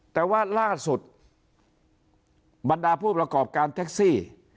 แต่ว่าล่าสุดบรรดาผู้ประกอบการแท็กซี่